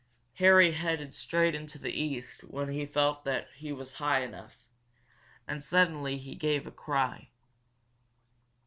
Harry headed straight into the east when he felt that he was high enough. And suddenly he gave a cry.